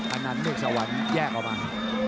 อันนั้นเมฆสวรรค์แยกออกมา